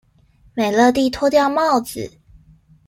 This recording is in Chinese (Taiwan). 美樂蒂脫掉帽子